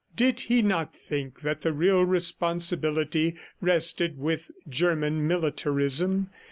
"Did he not think that the real responsibility rested with German militarism?